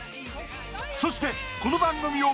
そしてこの番組を